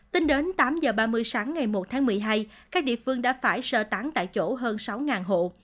tính đến tám h ba mươi sáng ngày một tháng một mươi hai các địa phương đã phải sơ tán tại chỗ hơn sáu hộ